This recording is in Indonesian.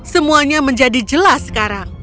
semuanya menjadi jelas sekarang